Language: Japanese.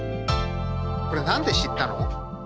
これ何で知ったの？